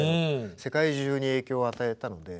世界中に影響を与えたので。